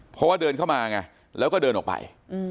เพราะว่าเดินเข้ามาไงแล้วก็เดินออกไป